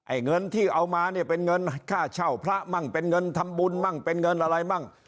เงินที่เอามาเนี่ยเป็นเงินค่าเช่าพระมั่งเป็นเงินทำบุญมั่งเป็นเงินอะไรมั่ง